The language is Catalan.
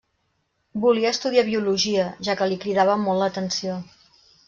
Volia estudiar Biologia, ja que li cridava molt l'atenció.